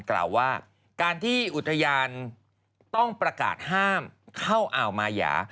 กล่าวว่าการที่อุทยานต้องประกาศห้ามเข้าอ่าวมายา